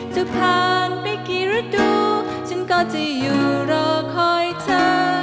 จะผ่านไปกี่ฤดูฉันก็จะอยู่รอคอยเธอ